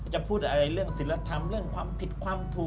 จะพูดอะไรเรื่องศิลธรรมเรื่องความผิดความถูก